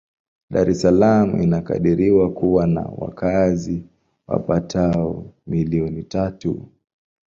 Dar es Salaam inakadiriwa kuwa na wakazi wapatao milioni tatu.